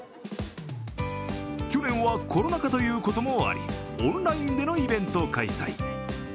去年はコロナ禍ということもあり、オンラインでのイベント開催。